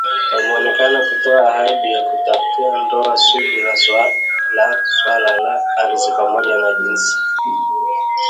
wameonekana kutoa ahadi ya kutatua donda sugu la swala la ardhi pamoja na jinsi